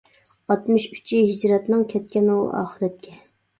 ئاتمىش ئۈچى ھىجرەتنىڭ، كەتكەن ئۇ ئاخىرەتكە.